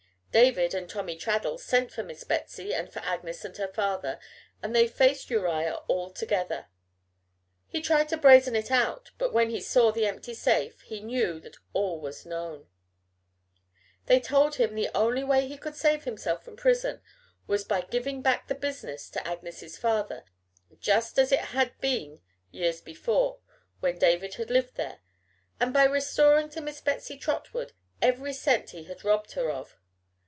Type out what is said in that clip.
David and Tommy Traddles sent for Miss Betsy and for Agnes and her father, and they faced Uriah all together. He tried to brazen it out, but when he saw the empty safe he knew that all was known. They told him the only way he could save himself from prison was by giving back the business to Agnes's father, just as it had been years before, when David had lived there, and by restoring to Miss Betsy Trotwood every cent he had robbed her of.